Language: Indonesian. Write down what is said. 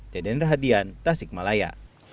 dedener hadian tasik malaya